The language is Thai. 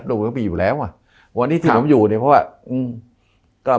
ดูก็พี่อยู่แล้วอ่ะผู้ว่าตรงอยู่นี่เพราะว่าอืม